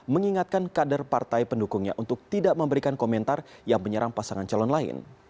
mengingatkan kader partai pendukungnya untuk tidak memberikan komentar yang menyerang pasangan calon lain